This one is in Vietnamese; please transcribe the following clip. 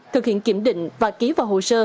thực hiện kiểm định và ký vào hồ sơ